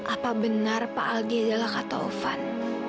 apa benar pak aldi adalah kak taufan